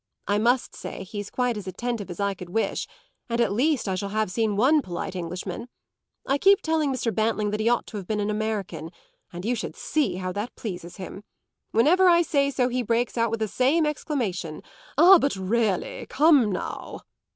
I must say he's quite as attentive as I could wish, and at least I shall have seen one polite Englishman. I keep telling Mr. Bantling that he ought to have been an American, and you should see how that pleases him. Whenever I say so he always breaks out with the same exclamation 'Ah, but really, come now!"